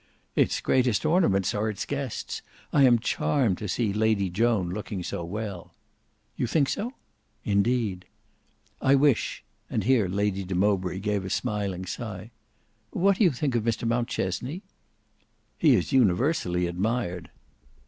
"Its greatest ornaments are its guests. I am charmed to see Lady Joan looking so well." "You think so?" "Indeed." "I wish—" and here Lady de Mowbray gave a smiling sigh. "What do you think of Mr Mountchesney?" "He is universally admired."